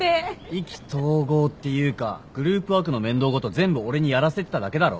意気投合っていうかグループワークの面倒事全部俺にやらせてただけだろ。